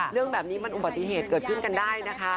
เรื่องแบบนี้มันอุบัติเหตุเกิดขึ้นกันได้นะคะ